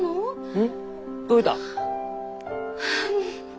うん。